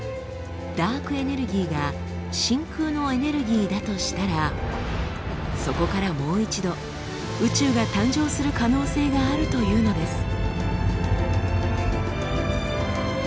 ダークエネルギーが真空のエネルギーだとしたらそこからもう一度宇宙が誕生する可能性があるというのです。